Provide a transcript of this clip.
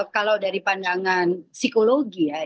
kalau dari pandangan psikologi ya